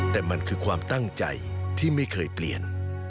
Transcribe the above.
แต่มันคือความตั้งใจที่ไม่เคยเปลี่ยน